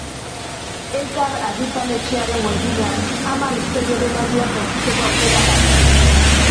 Elkar argitaletxearen webgunean hamar istorioren audioak entzuteko aukera dago.